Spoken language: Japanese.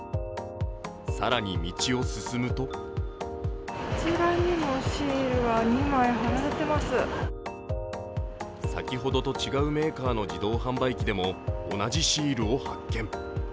更に、道を進むと先ほどと違うメーカーの自動販売機でも同じシールを発見。